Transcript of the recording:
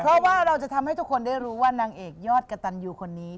เพราะว่าเราจะทำให้ทุกคนได้รู้ว่านางเอกยอดกระตันยูคนนี้